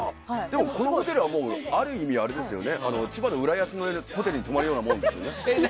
このホテルは、ある意味千葉の浦安のホテルに泊まるようなものですよね。